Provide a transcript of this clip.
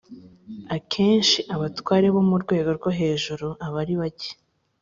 akenshi abatware bo mu rwego rwo hejuru abari bake